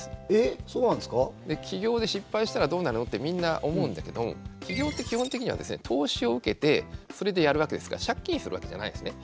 「起業で失敗したらどうなの？」ってみんな思うんだけど起業って基本的にはですね投資を受けてそれでやるわけですから借金するわけじゃないんですね。